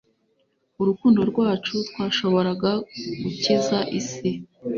urukundo rwacu, twashoboraga gukiza isi